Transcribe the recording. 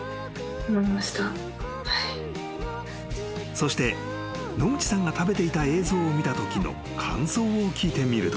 ［そして野口さんが食べていた映像を見たときの感想を聞いてみると］